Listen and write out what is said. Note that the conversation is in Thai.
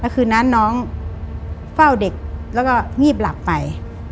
คืนนั้นน้องเฝ้าเด็กแล้วก็งีบหลับไป